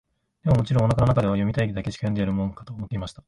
でも、もちろん、お腹の中では、読みたいだけしか読んでやるもんか、と思っていました。